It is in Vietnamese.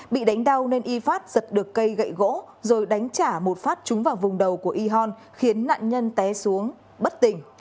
bị đánh đau nên yifat giật được cây gậy gỗ rồi đánh trả một phát chúng vào vùng đầu của yihon khiến nạn nhân té xuống bất tình